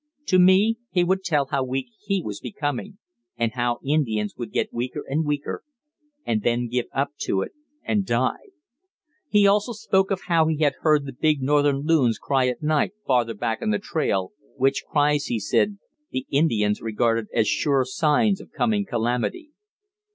To me he would tell how weak he was becoming, and how Indians would get weaker and weaker and then give up to it and die. He also spoke of how he had heard the big northern loons cry at night farther back on the trail, which cries, he said, the Indians regarded as sure signs of coming calamity.